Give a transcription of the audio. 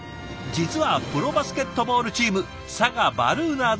実はプロバスケットボールチーム佐賀バルーナーズ